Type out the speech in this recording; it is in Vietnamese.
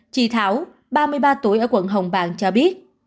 chị thảo ba mươi ba tuổi ở quận hồng bàng cho biết